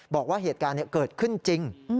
บอกว่าเหตุการณ์เกิดขึ้นจริง